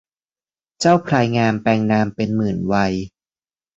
เจ้าพลายงามแปลงนามเป็นหมื่นไวย